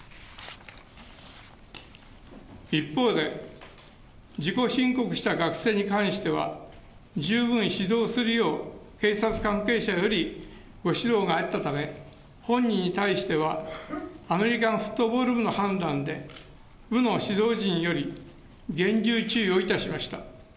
一方で、自己申告した学生に関しては、十分指導するよう警察関係者よりご指導があったため、本人に対してはアメリカンフットボール部の判断で、部の指導陣より厳重注意をいたしました。